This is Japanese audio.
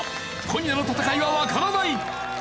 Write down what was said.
今夜の戦いはわからない。